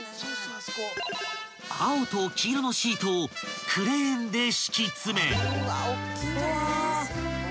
［青と黄色のシートをクレーンで敷き詰め］